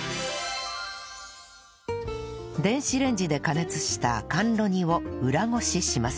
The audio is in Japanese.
電子レンジで加熱した甘露煮を裏漉しします